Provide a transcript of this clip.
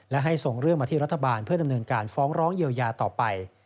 และให้ส่งเรื่องมาที่รัฐบาลเพื่อดำเนินการฟ้องร้องเยียวยาต่อไป